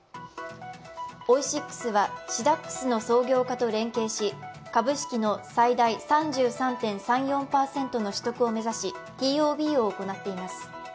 オイシックスはシダックスの創業家と連携し、株式の最大３３．３４％の取得を目指しＴＯＢを行っています。